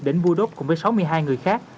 đỉnh bua đốc cùng với sáu mươi hai người khác